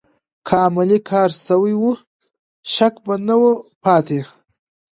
که عملي کار سوی و، شک به نه و پاتې.